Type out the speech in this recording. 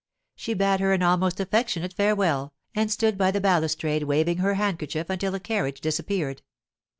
She bade her an almost affectionate farewell, and stood by the balustrade waving her handkerchief until the carriage disappeared.